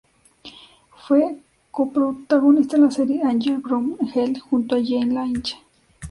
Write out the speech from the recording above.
Fue coprotagonista en la serie Angel From Hell junto a Jane Lynch.